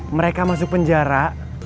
mereka masuk penjara